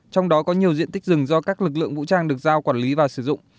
trong đó có nhiều diện tích rừng do các lực lượng vũ trang được giao quản lý và sử dụng